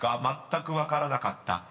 まったく分からなかった？］